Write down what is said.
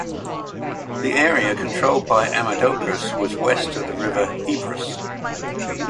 The area controlled by Amadocus was west of the river Hebrus.